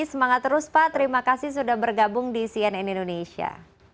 semangat terus pak terima kasih sudah bergabung di cnn indonesia